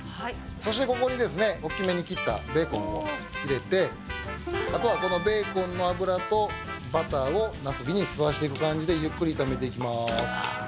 そしてここにですねおっきめに切ったベーコンを入れてあとはこのベーコンの脂とバターをナスビに吸わしていく感じでゆっくり炒めていきます。